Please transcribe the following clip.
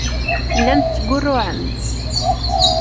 Tellam tettgurruɛem-d.